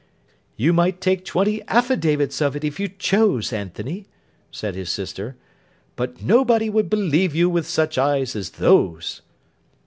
'You might take twenty affidavits of it if you chose, Anthony,' said his sister; 'but nobody would believe you with such eyes as those.